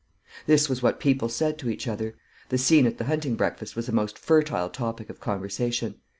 This was what people said to each other. The scene at the hunting breakfast was a most fertile topic of conversation.